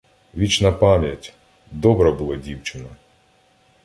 — Вічна пам'ять! Добра була дівчина.